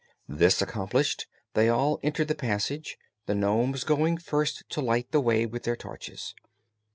This accomplished, they all entered the passage, the nomes going first to light the way with their torches.